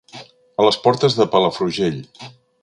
A les portes de Palafrugell.